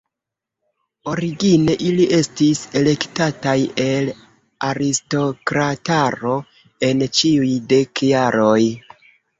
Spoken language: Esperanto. Origine ili estis elektataj el aristokrataro en ĉiuj dek jaroj.